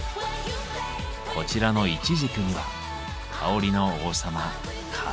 こちらのイチジクには香りの王様カルダモンが。